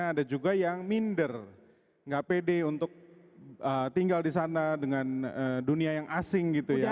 ada juga yang minder nggak pede untuk tinggal di sana dengan dunia yang asing gitu ya